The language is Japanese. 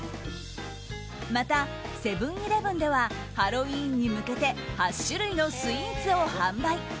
また、セブン‐イレブンではハロウィーンに向けて８種類のスイーツを販売。